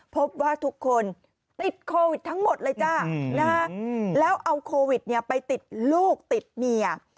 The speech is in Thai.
พบว่าทุกคนติดโควิดทั้งหมดเลยจ้าแล้วเอาโควิดไปติดลูกติดเมีย